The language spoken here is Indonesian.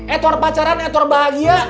edward pacaran edward bahagia